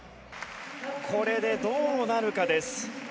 これでどうなるかです。